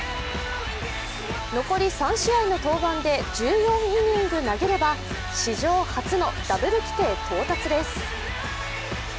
残り３試合の登板で１４イニング投げれば史上初のダブル規定到達です。